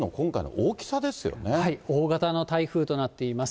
大型の台風となっています。